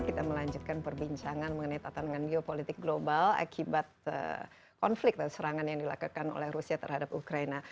kita melanjutkan perbincangan mengenai tatanan geopolitik global akibat konflik dan serangan yang dilakukan oleh rusia terhadap ukraina